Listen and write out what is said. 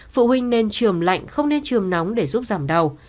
phụ huynh nên trường lạnh không nên trường nóng để giúp giảm đau